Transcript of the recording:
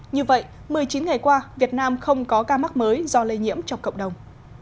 như vậy một mươi chín ngày qua việt nam không có ca mắc mới do lây nhiễm trong cộng đồng